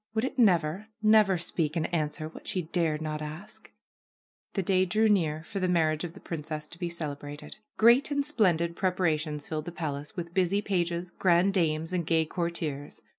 Would it never, never speak and an swer what she dared not ask? The day drew near for the marriage of the princess to be celebrated. Great and splendid preparations filled the palace with busy pages, grand dames and gay cour 58 THE PRINCESS AND THE CUP BEARER tiers.